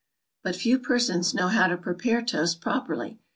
= But few persons know how to prepare toast properly.